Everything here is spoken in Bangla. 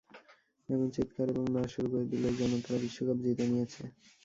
এমন চিৎকার এবং নাচ শুরু করে দিল, যেন তারা বিশ্বকাপ জিতে নিয়েছে।